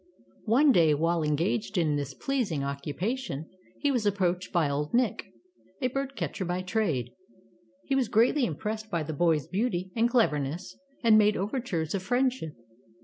One day, while engaged in this pleasing occupation, he was approached by old Nick, a bird catcher by trade. He was greatly impressed by the boy's beauty and cleverness, and made overtures of friend ship.